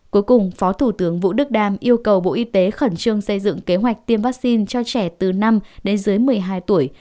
cuối cùng phó thủ tướng vũ đức đam yêu cầu bộ y tế khẩn trương xây dựng kế hoạch tiêm vaccine cho trẻ từ năm đến dưới một mươi hai tuổi